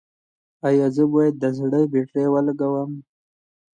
ایا زه باید د زړه بطرۍ ولګوم؟